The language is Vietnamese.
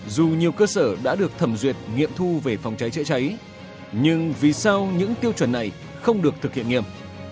dù nhiều cơ sở đã được thẩm duyệt nghiệm thu về phòng cháy chữa cháy nhưng vì sao những tiêu chuẩn này không được thực hiện nghiêm